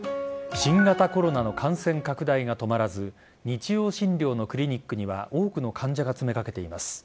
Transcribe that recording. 新型コロナの感染拡大が止まらず日曜診療のクリニックには多くの患者が詰め掛けています。